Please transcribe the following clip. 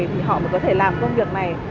vì họ mới có thể làm công việc này